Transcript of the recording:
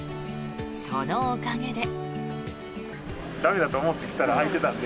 そのおかげで。